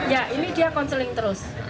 ya ini dia konseling terus